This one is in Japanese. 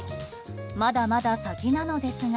まだまだ先なのですが